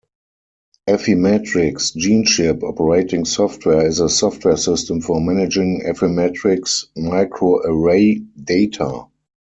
Affymetrix GeneChip Operating Software is a software system for managing Affymetrix microarray data.